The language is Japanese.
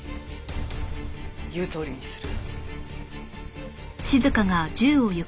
言うとおりにする。